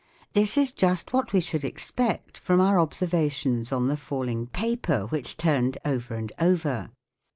This is just what we should expect from our observations on the falling paper which turned over and over.